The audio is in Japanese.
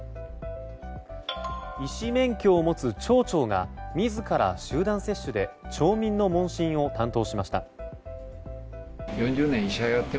医師免許を持つ町長が自ら、集団接種で町民の問診を担当しました。